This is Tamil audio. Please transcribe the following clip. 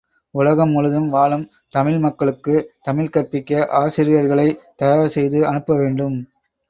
உலகம் முழுதும் வாழும் தமிழ் மக்களுக்குத் தமிழ் கற்பிக்க ஆசிரியர்களைத் தயார் செய்து அனுப்ப வேண்டும்.